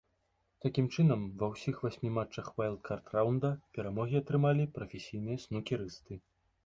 Такім чынам, ва ўсіх васьмі матчах уайлдкард раўнда перамогі атрымалі прафесійныя снукерысты.